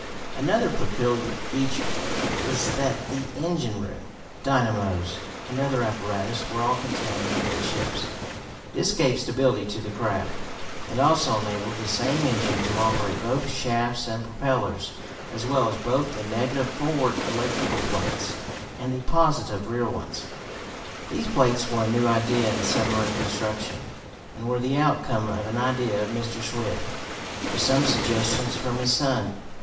Another peculiar feature was that the engine room, dynamos and other apparatus were all contained amidships. This gave stability to the craft, and also enabled the same engine to operate both shafts and propellers, as well as both the negative forward electrical plates, and the positive rear ones. These plates were a new idea in submarine construction, and were the outcome of an idea of Mr. Swift, with some suggestions from his son.